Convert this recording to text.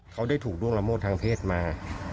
เขาได้ถูกล่วงละเมิดทางเพศมา